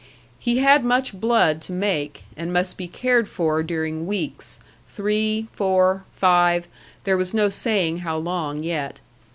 He had much blood to make, and must be cared for during weeks three, four, five there was no saying how long yet.